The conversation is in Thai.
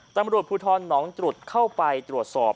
ตำรวจภูทรหนองตรุษเข้าไปตรวจสอบ